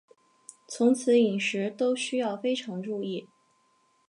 从此饮食都需要非常注意